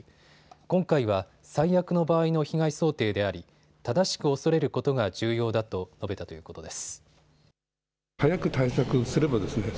今回は最悪の場合の被害想定であり正しく恐れることが重要だと述べたということです。